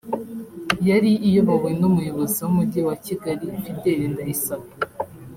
yari iyobowe n’Umuyobozi w’Umujyi wa Kigali Fidele Ndayisaba